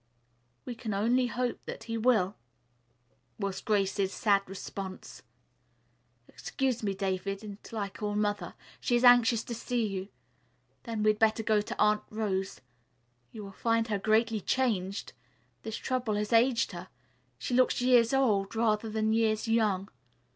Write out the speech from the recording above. "We can only hope that he will," was Grace's sad response. "Excuse me, David, until I call Mother. She is so anxious to see you. Then we had better go to Aunt Rose. You will find her greatly changed. This trouble has aged her. She looks 'years old,' rather than 'years young.'